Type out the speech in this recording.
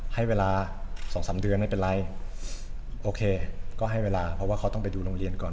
ให้เวลาสองสามเดือนไม่เป็นไรโอเคก็ให้เวลาเพราะว่าเขาต้องไปดูโรงเรียนก่อน